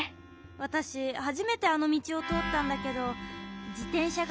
わたしはじめてあのみちをとおったんだけどじてんしゃがね